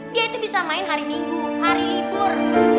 dia itu bisa main hari minggu hari libur